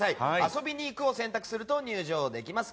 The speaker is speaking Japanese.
遊びに行くを選択すると入場できます。